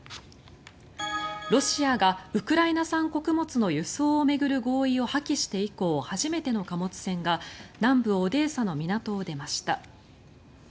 ロシアがウクライナ産穀物の輸送を巡る合意を破棄して以降初めての貨物船が南部オデーサの港を出ました。